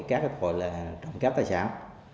các gọi là trọng cấp tài sản